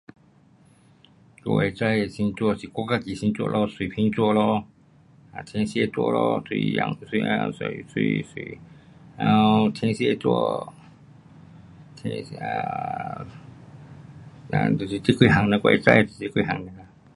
我会知的星座就是我自己的星座咯，水瓶座咯，天蝎座咯，水羊，水水水，了，天蝎座，啊，人就是这几样，我会知就是这几样 nia 啦。